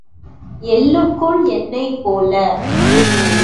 எள்ளுக்குள் எண்ணெய் போல.